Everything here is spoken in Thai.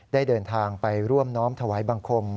ได้เดินทางไปร่วมน้อมถวายบังคม